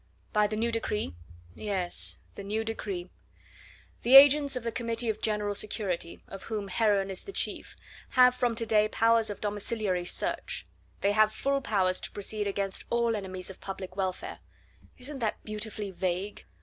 "By the new decree?" "Yes. The new decree. The agents of the Committee of General Security, of whom Heron is the chief, have from to day powers of domiciliary search; they have full powers to proceed against all enemies of public welfare. Isn't that beautifully vague?